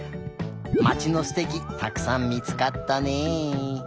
まちのすてきたくさん見つかったね。